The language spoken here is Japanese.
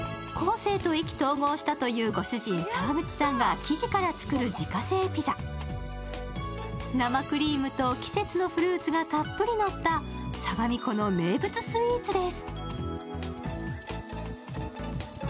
生と意気投合したというご主人、澤口さんが生地から作る自家製ピザ、生クリームと季節のフルーツがたっぷりのった相模湖の名物スイーツです。